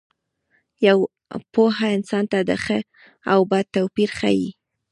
پوهه انسان ته د ښه او بد توپیر ښيي.